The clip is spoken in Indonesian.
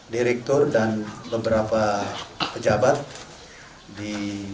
di rektor dan beberapa pejabat di